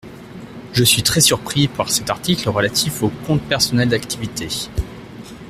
Je suis très surpris par cet article relatif au compte personnel d’activité.